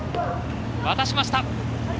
渡しました。